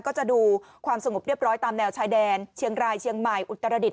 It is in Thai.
ก็จะดูความสงบเรียบร้อยตามแนวชายแดนเชียงรายเชียงใหม่อุตรดิษ